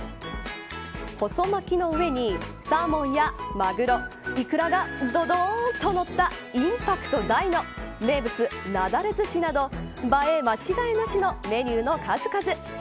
細巻きの上に、サーモンやマグロイクラが、どどーんとのったインパクト大の名物、なだれずしなど映え間違いなしのメニューの数々。